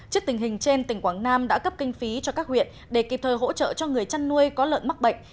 trước tình hình trên tỉnh quảng nam đã cấp kinh phí cho các huyện để kịp thời hỗ trợ cho người chăn nuôi có lợn mắc bệnh